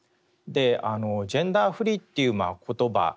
「ジェンダーフリー」っていう言葉